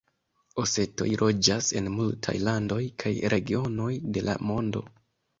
Osetoj loĝas en multaj landoj kaj regionoj de la mondo.